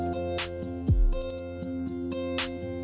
สวัสดีครับทุกคน